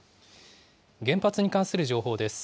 原発に関する情報です。